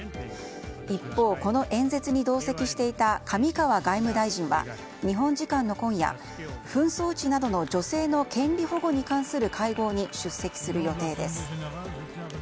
一方、この演説に同席していた上川外務大臣は日本時間の今夜、紛争地などの女性の権利保護に関する会合に出席する予定です。